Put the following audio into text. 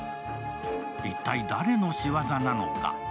一体、誰のしわざなのか。